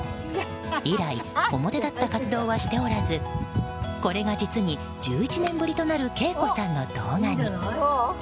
以来、表立った活動はしておらずこれが実に１１年ぶりとなるＫＥＩＫＯさんの動画に。